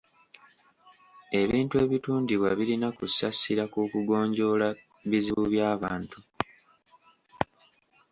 Ebintu ebitundibwa birina kussa ssira ku kugonjoola bizibu by'abantu.